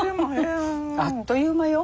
あっという間。